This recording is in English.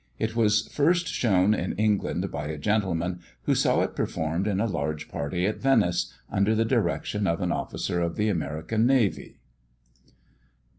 It was first shown in England by a gentleman who saw it performed in a large party at Venice, under the direction of an officer of the American navy.